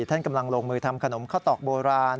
ท่านกำลังลงมือทำขนมข้าวตอกโบราณ